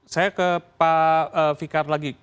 saya ke pak fikar lagi